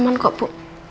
aman kok bu